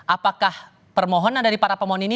apakah permohonan dari para pemohon ini